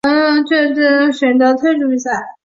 但是最后却选择退出比赛。